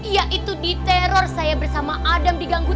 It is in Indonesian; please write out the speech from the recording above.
ya itu di teror saya bersama adam diganggu